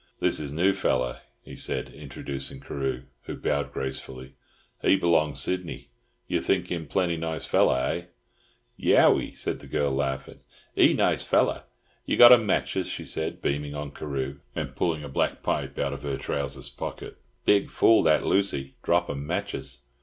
"This is new feller?" he said, introducing Carew, who bowed gracefully. "He b'long Sydney. You think him plenty nice feller, eh?" "Yowi," said the girl laughing. "He nice feller. You got 'em matches?" she said, beaming on Carew, and pulling a black pipe out of her trousers' pocket. "Big fool that Lucy, drop 'em matches."